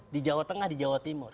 di jawa tengah di jawa timur